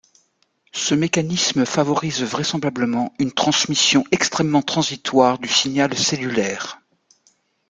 Ce mécanisme favorise vraisemblablement une transmission extrêmement transitoire du signal cellulaire.